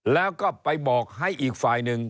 แล้วก็ไปบอกให้อีกฝ่ายหนึ่ง